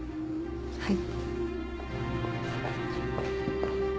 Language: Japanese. はい。